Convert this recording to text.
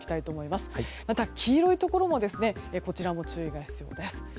また、黄色いところも注意が必要です。